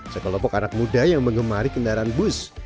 sekelompok anak muda yang mengemari kendaraan bus